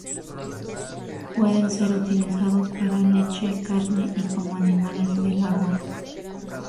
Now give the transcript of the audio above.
Pueden ser utilizados para leche, carne y como animales de labor.